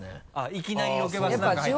いきなりロケバスの中入ったら。